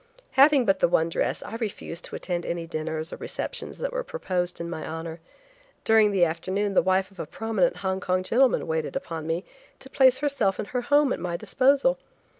Having but the one dress I refused to attend any dinners or receptions that were proposed in my honor. During the afternoon the wife of a prominent Hong Kong gentleman waited upon me to place herself and her home at my disposal.